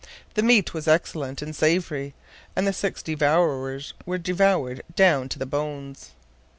The meat was excellent and savory, and the six devourers were devoured down to the bones.